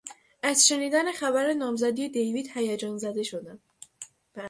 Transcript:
از شنیدن خبر نامزدی دیوید هیجان زده شدم.